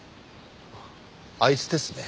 あいつですね。